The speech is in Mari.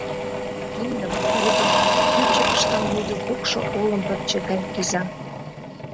«Киндым!» — тодылт, кӱпчыкыш камвозо кукшо олым пырче гай киза.